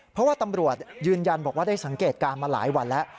เพราะว่าตำรวจยืนยันบอกว่าได้สังเกตการณ์มาหลายวันแล้ว